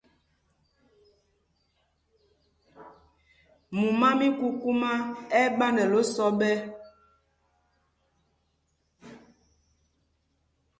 Mumá mí kukumá ɛ́ ɛ́ ɓandɛl osɔ ɓɛ́.